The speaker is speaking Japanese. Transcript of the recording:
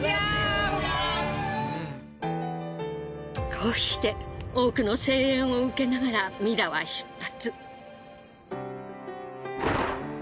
こうして多くの声援を受けながらミラは出発。